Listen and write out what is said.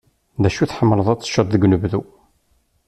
D acu i tḥemmleḍ ad t-teččeḍ deg unebdu?